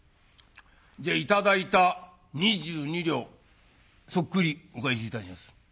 じゃ頂いた２２両そっくりお返しいたしやす。